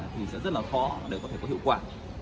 thì sẽ rất là khó để có thể có hiệu quả